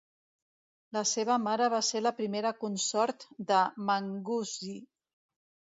La seva mare va ser la primera consort de Manggusi.